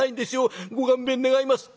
ご勘弁願います」。